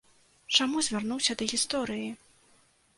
Чаму звярнуўся да гісторыі?